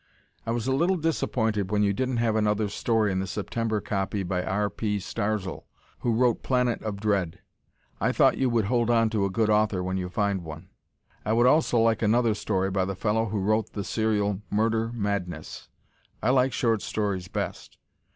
I was a little disappointed when you didn't have another story in the September copy by R. P. Starzl, who wrote "Planet of Dread." I thought you would hold on to a good author when you find one. I would also like another story by the fellow who wrote the serial "Murder Madness." I like short stories best.